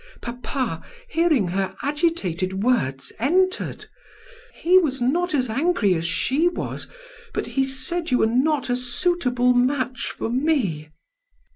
Papa, hearing her agitated words, entered. He was not as angry as she was, but he said you were not a suitable match for me.